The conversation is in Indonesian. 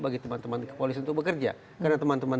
bagi teman teman kepolisian untuk bekerja karena teman teman